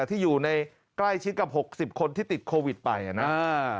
ที่อยู่ในใกล้ชิดกับ๖๐คนที่ติดโควิดไปอ่ะนะ